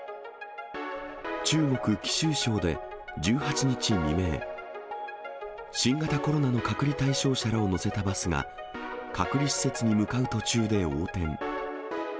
中国・貴州省で１８日未明、新型コロナの隔離対象者らを乗せたバスが隔離施設に向かう途中で横転。